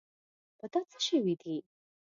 په تا څه شوي دي.